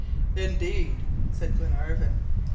"Indeed!" said Glenarvan.